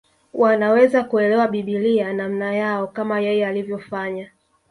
Wanaweza kuelewa Biblia namna yao kama yeye alivyofanya